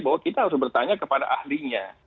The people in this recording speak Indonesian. bahwa kita harus bertanya kepada ahlinya